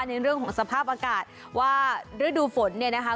ในเรื่องของสภาพอากาศว่าฤดูฝนเนี่ยนะคะ